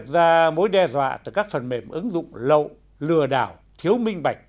và mối đe dọa từ các phần mềm ứng dụng lậu lừa đảo thiếu minh bạch